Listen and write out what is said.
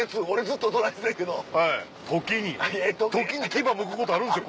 時に時に牙むくことあるんですね